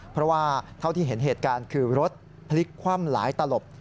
เพราะว่าเท่าที่เห็นเหตุการณ์คือรถพลิกคว่ำหลายตลบ